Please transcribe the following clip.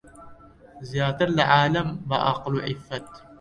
زیاتر لە عالەم بە عەقڵ و عیففەت